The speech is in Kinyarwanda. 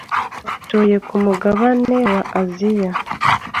batuye ku mugabane wa Aziya,